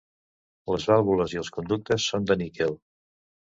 Les vàlvules i els conductes són de níquel.